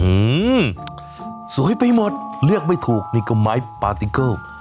หื้มมสวยไปหมดเรียกไปถูกนี่ก็ไม้ปาร์ติเกิ้ล